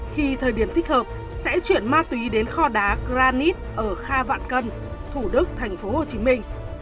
khi thời điểm thích hợp sẽ chuyển ma túy đến kho đá granite ở kha vạn cân thủ đức thành phố hồ chí minh